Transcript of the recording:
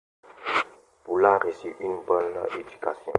Paula reçut une bonne éducation.